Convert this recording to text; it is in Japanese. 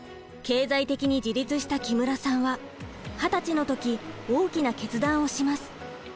経済的に自立した木村さんは二十歳の時大きな決断をします。